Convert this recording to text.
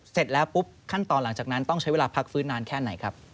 เสร็จแล้วปุ๊บขั้นตอนหลังจากนั้นต้องใช้เวลาพักฟื้นนานแค่ไหนครับ